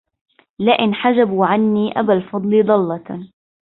لئن حجبوا عني أبا الفضل ضلة